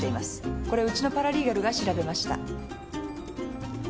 これウチのパラリーガルが調べました。